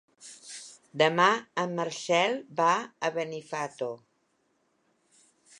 Demà en Marcel va a Benifato.